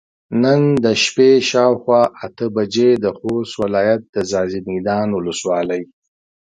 نن د شپې شاوخوا اته بجې د خوست ولايت د ځاځي ميدان ولسوالۍ